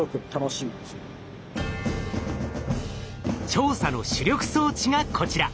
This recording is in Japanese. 調査の主力装置がこちら。